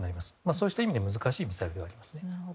そうした意味で難しいミサイルではありますね。